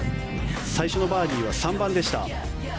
最初のバーディーは３番でした。